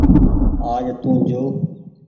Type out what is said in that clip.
آج تو جو۔